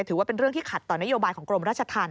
ถือว่าเป็นเรื่องที่ขัดต่อนโยบายของกรมราชธรรม